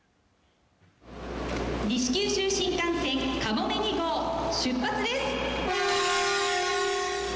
西九州新幹線、かもめ２号出発です。